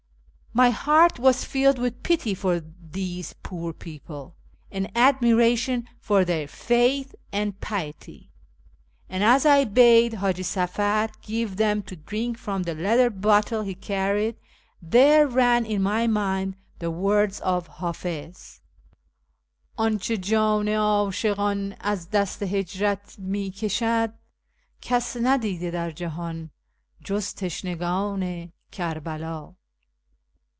My heart was filled with pity for these poor people, and admiration for their faith and piety ; and as I bade Haji Safar give them to drink from the leather bottle he carried, there ran in my mind the words of Hafiz —" Anche jan i ashihhi az dast i hajrat mi Jcashad Kas na dide dar jihdn, juz tishnagihi i Kerbeld."